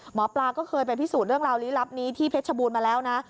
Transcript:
หมอปลาก็เคยไปพิสูจน์เรื่องราวลี้ลับนี้ที่เพชรบูรณ์มาแล้วนะ